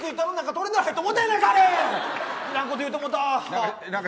いらんこと言うてもうた。